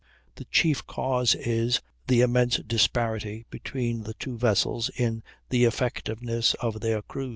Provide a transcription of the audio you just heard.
The chief cause is the immense disparity between the two vessels in the effectiveness of their crews."